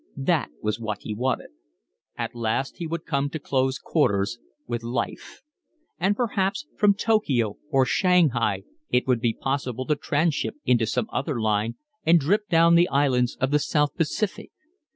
That was what he wanted. At last he would come to close quarters with Life. And perhaps, from Tokyo or Shanghai it would be possible to tranship into some other line and drip down to the islands of the South Pacific.